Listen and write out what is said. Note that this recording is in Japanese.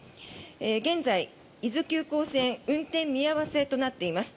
現在、伊豆急行線運転見合わせとなっています。